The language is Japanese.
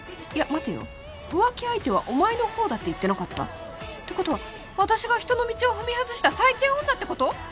待てよ浮気相手はお前の方だって言ってなかった？ってことは私が人の道を踏み外した最低女ってこと？